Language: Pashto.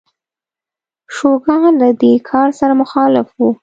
شوګان له دې کار سره مخالف و.